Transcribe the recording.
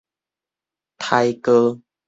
癩